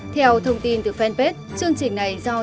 theo thông tin từ fanpage chương trình này do